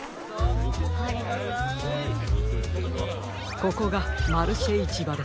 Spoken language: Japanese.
ここがマルシェいちばです。